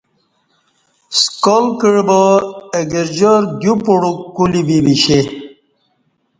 سکال کعہ با اہ گرجار دیو پ وک کولی بی ویشے